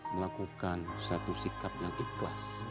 melakukan satu sikap yang ikhlas